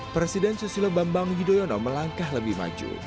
presiden susilo bambang yudhoyono melangkah lebih maju